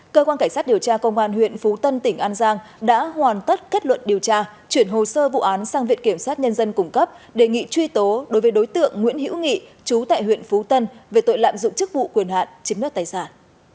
cơ quan cảnh sát điều tra công an huyện phú tân tỉnh an giang đã hoàn tất kết luận điều tra chuyển hồ sơ vụ án sang viện kiểm sát nhân dân cung cấp đề nghị truy tố đối với đối tượng nguyễn hiễu nghị chú tại huyện phú tân về tội lạm dụng chức vụ quyền hạn chiếm đất tài sản